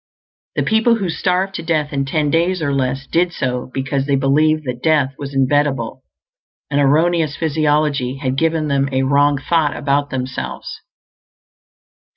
The people who starved to death in ten days or less did so because they believed that death was inevitable; an erroneous physiology had given them a wrong thought about themselves.